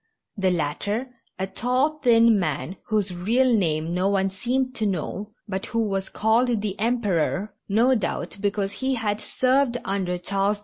The latter — a tall, thin man, whose real name no one seemed to know, but who was called the Emperor, no doubt because he had served under Charles X.